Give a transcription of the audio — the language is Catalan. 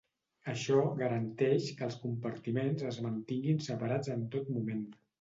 Això garanteix que els compartiments es mantinguin separats en tot moment.